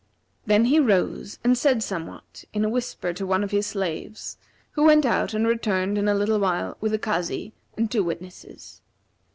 Then he rose and said somewhat in a whisper to one of his slaves, who went out and returned in a little while with a Kazi and two witnesses.